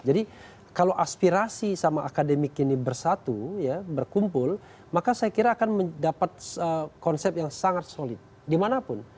jadi kalau aspirasi sama akademik ini bersatu ya berkumpul maka saya kira akan mendapat konsep yang sangat solid di manapun